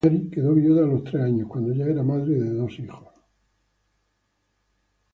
Mary quedó viuda a los tres años, cuando ya era madre de dos hijos.